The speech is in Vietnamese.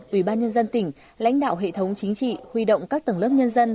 ủy ban nhân dân tỉnh lãnh đạo hệ thống chính trị huy động các tầng lớp nhân dân